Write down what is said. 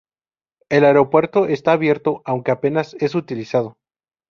El aeropuerto está abierto aunque apenas es utilizado.